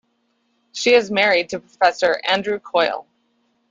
She is married to Professor Andrew Coyle.